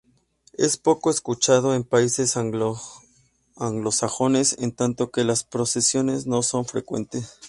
Es poco escuchado en países anglosajones, en tanto que las procesiones no son frecuentes.